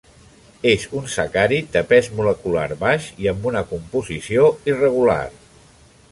És un sacàrid de pes molecular baix i amb una composició irregular.